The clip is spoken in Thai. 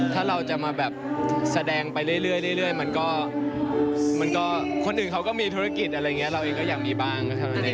ถ้าเราจะมาแบบแสดงไปเรื่อยมันก็คนอื่นเขาก็มีธุรกิจอะไรอย่างนี้เราเองก็อยากมีบ้างเท่านั้นเอง